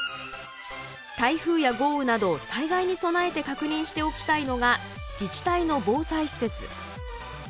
台風や豪雨など災害に備えて確認しておきたいのが自治体の防災施設。